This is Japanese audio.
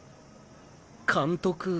監督。